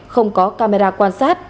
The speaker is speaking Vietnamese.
không có camera quan sát